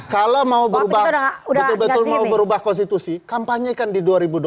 kalau mau berubah konstitusi kampanyekan di dua ribu dua puluh empat